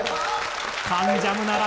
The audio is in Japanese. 『関ジャム』なら